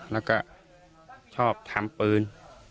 แล้วก็ชอบทำปืน